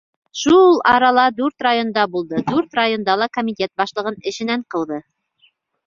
Шул арала дүрт районда булды, дүрт районда ла комитет башлығын эшенән ҡыуҙы!